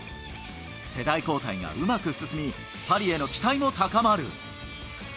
世代交代がうまく進み、パリへの期待も高まる。